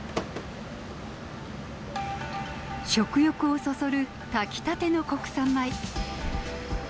食欲をそそる炊きたての国産米。